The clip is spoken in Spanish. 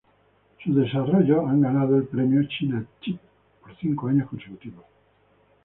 Sus desarrollos han ganado el premio "China chip" por cinco años consecutivos.